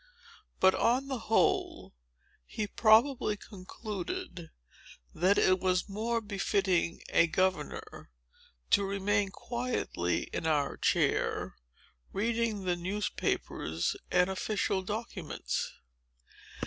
But, on the whole, he probably concluded that it was more befitting a governor to remain quietly in our chair, reading the newspapers and official documents."